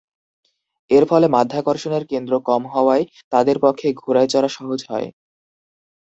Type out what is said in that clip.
এর ফলে মাধ্যাকর্ষণের কেন্দ্র কম হওয়ায় তাদের পক্ষে ঘোড়ায় চড়া সহজ হয়।